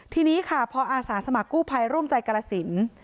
ทีนี้ค่ะพออาสาสมัครกู้ภัยร่วมใจกรสิน